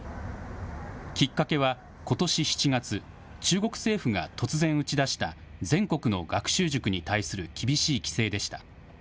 きっかけはことし７月、中国政府が突然打ち出した全国の学習塾に対する厳しい規制でした。